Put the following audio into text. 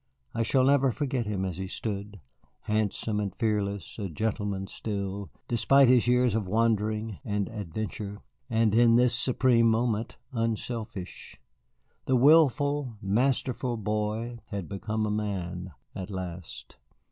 I shall never forget him as he stood, handsome and fearless, a gentleman still, despite his years of wandering and adventure, and in this supreme moment unselfish. The wilful, masterful boy had become a man at last.